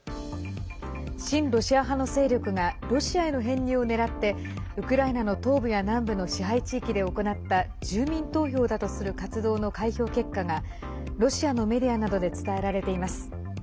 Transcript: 親ロシア派の勢力がロシアへの編入を狙ってウクライナの東部や南部の支配地域で行った住民投票だとする活動の開票結果がロシアのメディアなどで伝えられています。